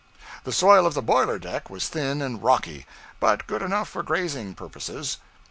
The soil of the boiler deck was thin and rocky, but good enough for grazing purposes.